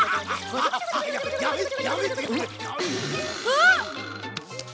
あっ！